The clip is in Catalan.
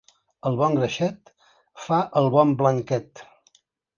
El bon greixet fa el bon blanquet.